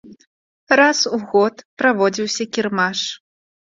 Раз у год праводзіўся кірмаш.